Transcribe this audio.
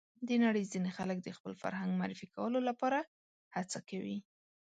د نړۍ ځینې خلک د خپل فرهنګ معرفي کولو لپاره هڅه کوي.